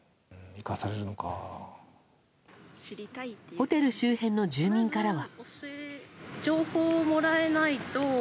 ホテル周辺の住民からは。